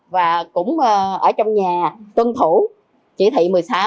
và cũng ở trong nhà tuân thủ chỉ thị một mươi sáu